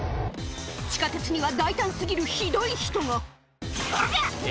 地下鉄には大胆過ぎるひどい人が「おりゃ！」